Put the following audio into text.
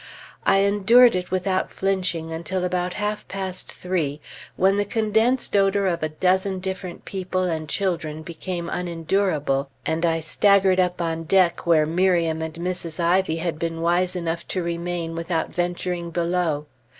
I endured it without flinching until about half past three, when the condensed odor of a dozen different people and children became unendurable, and I staggered up on deck where Miriam and Mrs. Ivy had been wise enough to remain without venturing below.